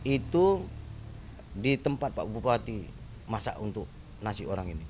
itu di tempat pak bupati masak untuk nasi orang ini